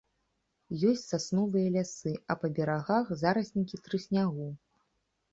Ёсць сасновыя лясы, а па берагах зараснікі трыснягу.